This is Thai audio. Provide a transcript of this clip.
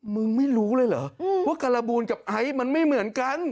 ไม่รู้เลยเหรอว่าการบูลกับไอซ์มันไม่เหมือนกัน